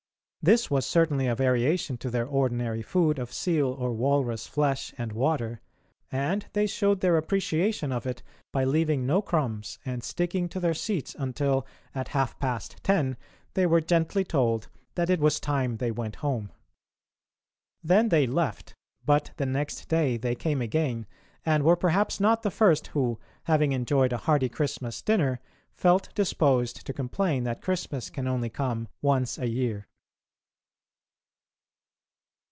This was certainly a variation to their ordinary food of seal or walrus flesh and water, and they showed their appreciation of it by leaving no crumbs and sticking to their seats until, at half past ten, they were gently told that it was time they went home. Then they left, but the next day they came again, and were perhaps not the first who, having enjoyed a hearty Christmas dinner, felt disposed to complain that Christmas can only come once a year.